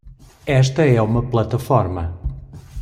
Esta é uma plataforma